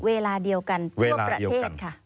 เวลาเดียวกันทั่วประเทศค่ะ